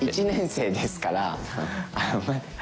１年生ですからあのね。